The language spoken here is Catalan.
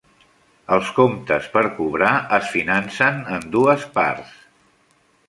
Els comptes per cobrar es financen en dues parts.